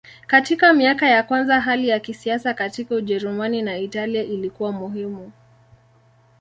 Katika miaka ya kwanza hali ya kisiasa katika Ujerumani na Italia ilikuwa muhimu.